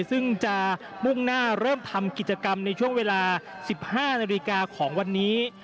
ซึ่งจะมุ่งหน้าเริ่มทำกิจกรรมในช่วงเวลา๑๕นาฬิกาของวันนี้